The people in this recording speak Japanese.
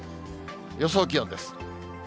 予想気温です。